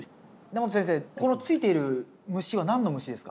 根本先生このついている虫は何の虫ですか？